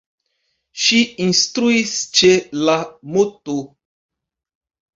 Ŝi instruis ĉe la "Mt.